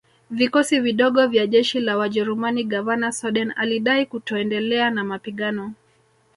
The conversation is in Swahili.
vikosi vidogo vya jeshi la wajerumani Gavana Soden alidai kutoendelea na mapigano